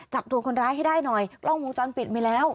จับตัวคนร้ายให้ได้หน่อยกล้องวงจรปิดมีแล้ว